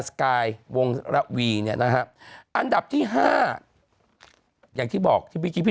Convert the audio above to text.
สกายวงระวีเนี่ยนะฮะอันดับที่ห้าอย่างที่บอกที่เมื่อกี้พี่